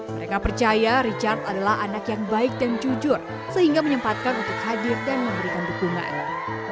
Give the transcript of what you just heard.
mereka percaya richard adalah anak yang baik dan jujur sehingga menyempatkan untuk hadir dan memberikan dukungan